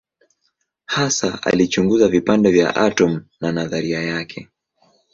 Hasa alichunguza vipande vya atomu na nadharia yake.